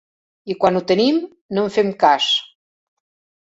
I quan ho tenim, no en fem cas.